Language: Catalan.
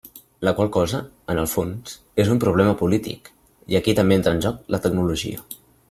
La qual cosa, en el fons, és un problema polític, i aquí també entra en joc la tecnologia.